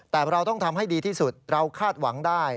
แต่เราต้องทำให้ดีที่สุดเราคาดหวังได้